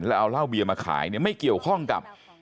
แล้วเอาเหล้าเบียมาขายเนี่ยไม่เกี่ยวข้องกับ